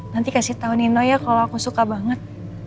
nanti kasih tau nino ya kalau aku suka banget